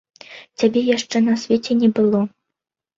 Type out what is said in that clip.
Цябе яшчэ на свеце не было.